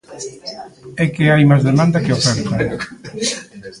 É que hai máis demanda que oferta.